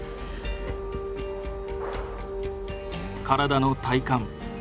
体の体幹。